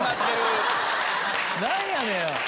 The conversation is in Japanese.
何やねん！